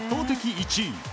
１位。